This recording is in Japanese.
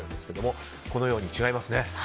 このように違いますね。